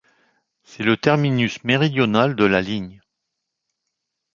C'est le terminus méridional de la ligne.